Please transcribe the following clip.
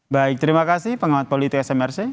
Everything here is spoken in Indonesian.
baik terima kasih pengawat politik smrc